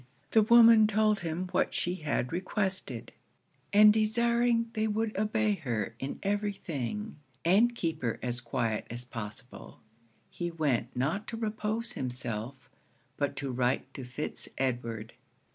The woman told him what she had requested; and desiring they would obey her in every thing, and keep her as quiet as possible, he went not to repose himself, but to write to Fitz Edward.